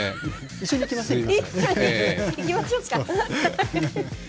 一緒に行きませんか。